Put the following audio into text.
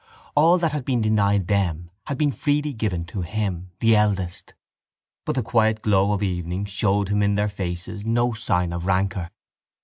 All that had been denied them had been freely given to him, the eldest; but the quiet glow of evening showed him in their faces no sign of rancour.